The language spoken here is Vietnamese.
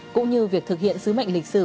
cũng như việc thực hiện sứ mệnh lịch sử